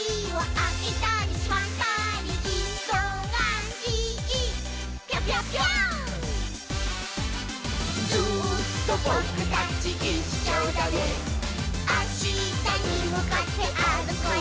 「あしたにむかってあるこうよ」